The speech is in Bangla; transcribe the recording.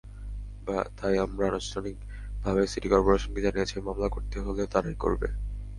তাই আমরা আনুষ্ঠানিকভাবে সিটি করপোরেশনকে জানিয়েছি, মামলা করতে হলে তারাই করবে।